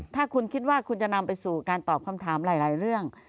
ถ้าคุณคิดว่าคุณจะนำไปสู่การตอบคำถามหลายเรื่อง